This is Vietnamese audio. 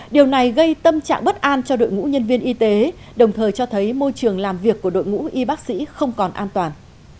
điều này gây tâm trạng bất an cho đội ngũ nhân viên y tế đồng thời cho thấy môi trường làm việc của đội ngũ y bác sĩ không còn an toàn